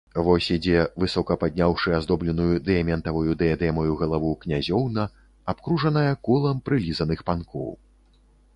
Вось ідзе, высока падняўшы аздобленую дыяментаваю дыядэмаю галаву, князёўна, абкружаная колам прылізаных панкоў.